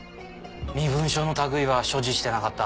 身分証の類いは所持してなかった。